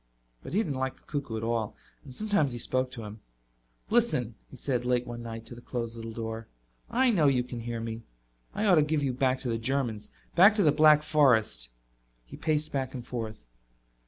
But he didn't like the cuckoo at all. And sometimes he spoke to him. "Listen," he said late one night to the closed little door. "I know you can hear me. I ought to give you back to the Germans back to the Black Forest." He paced back and forth.